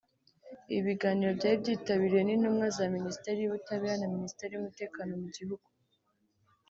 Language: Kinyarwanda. Ibi biganiro byari byitabiriwe n’intumwa za Minisiteri y’ubutabera na Minisiteri y’Umutekano mu gihugu